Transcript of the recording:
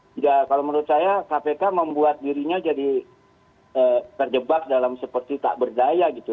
tidak kalau menurut saya kpk membuat dirinya jadi terjebak dalam seperti tak berdaya gitu